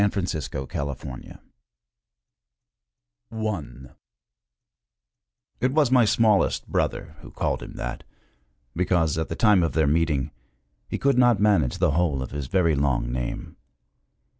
BABANCHIK BY CHRISTINA KRYSTO I IT was my smallest brother who called him that, because, at the time of their meeting, he could not manage the whole of his very long name.